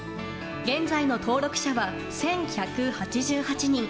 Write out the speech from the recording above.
現在の登録者は１１８８人。